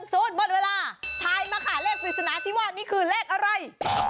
๑๙๘๗๖๕๔๓๒๑๐หมดเวลาถ่ายมาค่ะเลขฝีศนาที่ว่านี่คือเลขอะไร